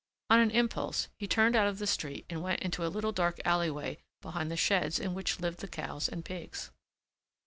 On an impulse he turned out of the street and went into a little dark alleyway behind the sheds in which lived the cows and pigs.